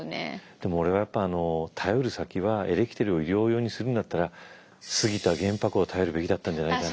でも俺はやっぱ頼る先はエレキテルを医療用にするんだったら杉田玄白を頼るべきだったんじゃないかな。